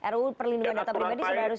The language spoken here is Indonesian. ruu perlindungan data pribadi sudah harus